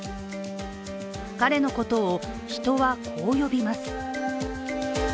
彼のことを人はこう呼びます。